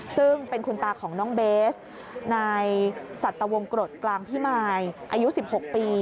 ซึ่งเป็นคุณตาของน้องเบสนายสัตวงกรดกลางพิมายอายุ๑๖ปี